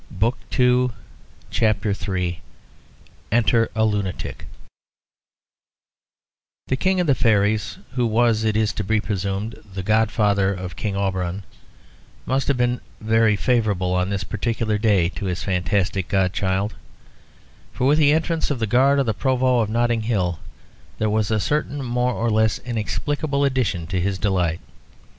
CHAPTER III Enter a Lunatic The King of the Fairies, who was, it is to be presumed, the godfather of King Auberon, must have been very favourable on this particular day to his fantastic godchild, for with the entrance of the guard of the Provost of Notting Hill there was a certain more or less inexplicable addition to his delight.